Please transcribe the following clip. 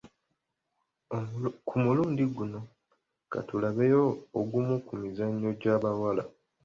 Ku mulundi guno ka tulabeyo ogumu ku mizannyo gy’abawala.